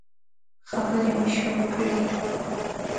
خبري مي شروع کړې !